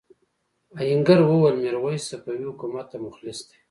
آهنګر وویل میرويس صفوي حکومت ته مخلص دی.